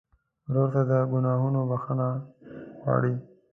ورور ته د ګناهونو بخښنه غواړې.